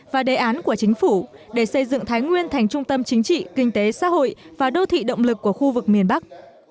và đề án của chính phủ để xây dựng thái nguyên thành trung tâm chính trị kinh tế xã hội và đô thị động lực của khu vực miền bắc